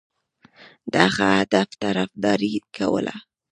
دغه هدف طرفداري کوله.